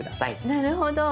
なるほど。